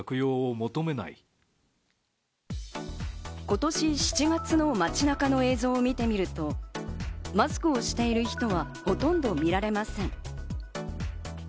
今年７月の街中の映像を見てみると、マスクをしている人はほとんど見られません。